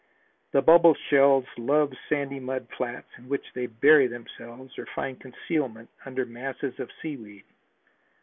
The bubble shells love sandy mud flats in which they bury themselves or find concealment under masses of sea weed.